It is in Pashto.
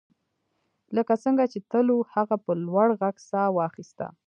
لکه څنګه چې تل وو هغه په لوړ غږ ساه واخیسته